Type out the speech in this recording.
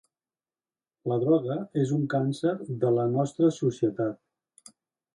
La droga és un càncer de la nostra societat.